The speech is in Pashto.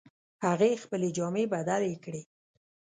هغې خپلې جامې بدلې کړې